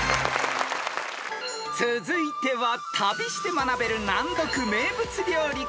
［続いては旅して学べる難読名物料理から出題］